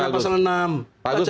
pasal enam nih pak agus